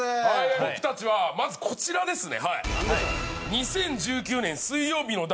僕たちはまずこちらですね。